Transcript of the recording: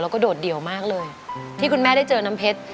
แล้วก็โดดเดี่ยวมากเลยที่คุณแม่ได้เจอน้ำเพชร